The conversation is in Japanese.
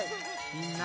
みんな。